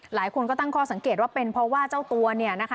หลายคนก็ตั้งข้อสังเกตว่าเป็นเพราะว่าเจ้าตัวเนี่ยนะคะ